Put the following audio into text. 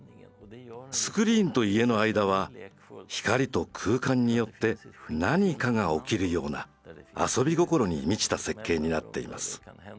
スクリーンと家の間は光と空間によって何かが起きるような遊び心に満ちた設計になっています。